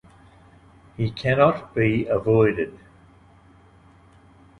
He cannot be avoided.